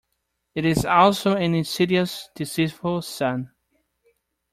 It is also an insidious, deceitful sun.